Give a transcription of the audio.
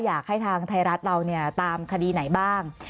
อยากให้ทางท้ายรัฐเราตามคดีไหนบ้าง